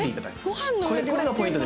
これがポイントですね。